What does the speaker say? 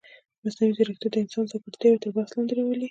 مصنوعي ځیرکتیا د انسان ځانګړتیاوې تر بحث لاندې راولي.